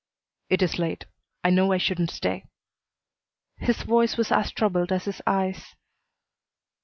"It is late. I know I shouldn't stay." His voice was as troubled as his eyes.